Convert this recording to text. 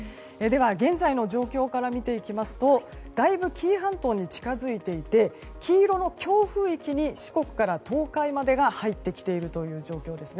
現在の状況から見ていきますとだいぶ紀伊半島に近づいていて黄色の強風域に、四国から東海までが入っている状況です。